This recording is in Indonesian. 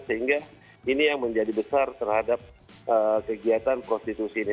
sehingga ini yang menjadi besar terhadap kegiatan prostitusi ini